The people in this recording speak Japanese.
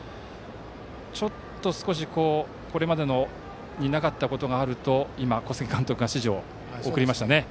ちょっとこれまでになかったことがあると今、小菅監督が指示を送りました。